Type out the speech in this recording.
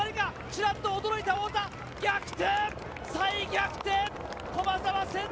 チラっと驚いた太田、逆転！